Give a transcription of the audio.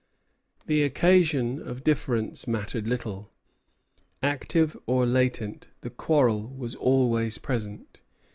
The occasion of difference mattered little. Active or latent, the quarrel was always present.